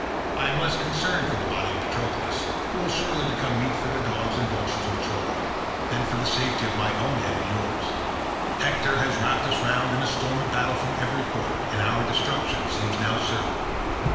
I am less concerned for the body of Patroclus, who will shortly become meat for the dogs and vultures of Troy, than for the safety of my own head and yours. Hector has wrapped us round in a storm of battle from every quarter, and our destruction seems now certain.